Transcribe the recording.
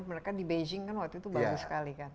mereka di beijing kan waktu itu bagus sekali kan